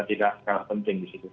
tidak kalah penting disitu